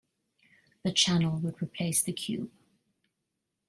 The channel would replace the Cube.